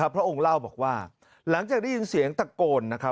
พระองค์เล่าบอกว่าหลังจากได้ยินเสียงตะโกนนะครับ